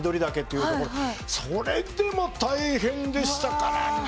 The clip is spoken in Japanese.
それでも大変でしたからね！